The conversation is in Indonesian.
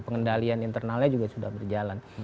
pengendalian internalnya juga sudah berjalan